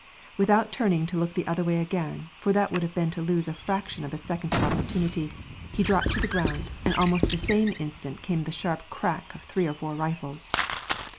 Without turning to look the other way again, for that would have been to lose a fraction of a second of opportunity, he dropped to the ground and almost the same instant came the sharp crack of three or four rifles.